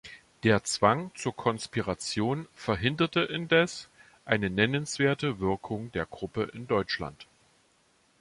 Der Zwang zur Konspiration verhinderte indes eine nennenswerte Wirkung der Gruppe in Deutschland.